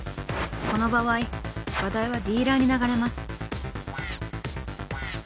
［この場合場代はディーラーに流れます］